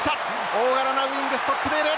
大柄なウイングスストックデール！